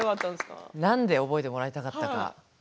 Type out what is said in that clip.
なんで覚えてもらいたかったか？